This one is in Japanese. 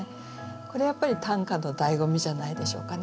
これやっぱり短歌のだいご味じゃないでしょうかね。